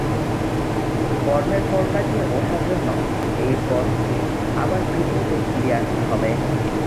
কর্মের ফল কাটিয়ে উঠার জন্য এই পথটি আবার পৃথিবীতে ফিরে আসতে হবে।